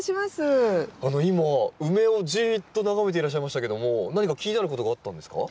今ウメをじっと眺めていらっしゃいましたけども何か気になることがあったんですか？